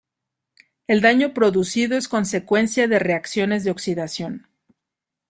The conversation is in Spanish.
El daño producido es consecuencia de reacciones de oxidación.